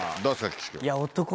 岸君。